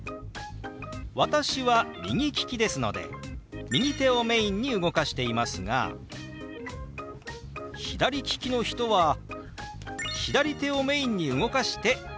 私は右利きですので右手をメインに動かしていますが左利きの人は左手をメインに動かしてＯＫです。